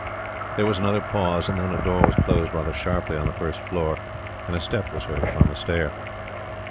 There was another pause, and then a door was closed rather sharply on the first floor, and a step was heard upon the stair.